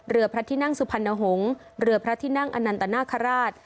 เรือพระที่นั่งสุพรรณหงษ์เรือพระที่นั่งอนันตนาคาราช